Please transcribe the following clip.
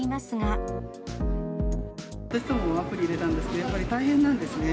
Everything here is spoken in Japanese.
私どももアプリ入れたんですが、やっぱり大変なんですね。